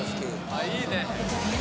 あっいいね！